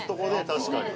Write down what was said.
確かに。